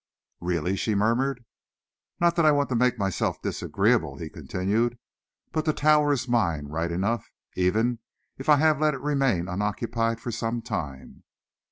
"Really!" she murmured. "Not that I want to make myself disagreeable," he continued, "but the Tower is mine, right enough, even if I have let it remain unoccupied for some time."